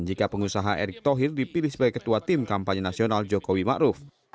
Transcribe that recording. jika pengusaha erick thohir dipilih sebagai ketua tim kampanye nasional jokowi ⁇ maruf ⁇